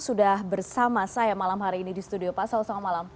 sudah bersama saya malam hari ini di studio pak saud selamat malam